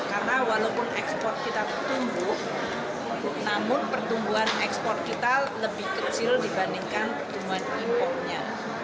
karena walaupun ekspor kita bertumbuh namun pertumbuhan ekspor kita lebih kecil dibandingkan pertumbuhan impornya